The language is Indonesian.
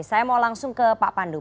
saya mau langsung ke pak pandu